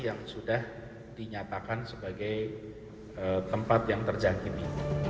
yang sudah dinyatakan sebagai tempat yang terjangkiti